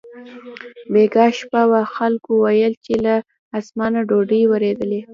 بېګاه ښه و، خلکو ویل چې له اسمانه ډوډۍ ورېدلې.